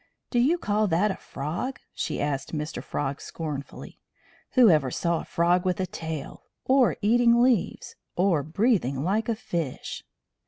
"Do you call that a frog?" she asked Mr. Frog scornfully. "Whoever saw a frog with a tail? Or eating leaves? Or breathing like a fish?"